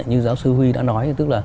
như giáo sư huy đã nói